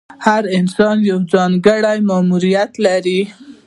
هر انسان یو ځانګړی ماموریت لري.